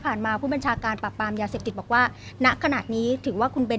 ผ่านมาผู้บัญชาการประปรามยาเสพติดบอกว่าณขนาดนี้ถึงว่าคุณเบ้น